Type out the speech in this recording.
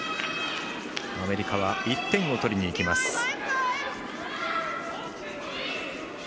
アメリカは１点を取りにいきます。